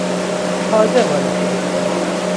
تازه وارد شده بودند.